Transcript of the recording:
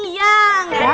iya gak ada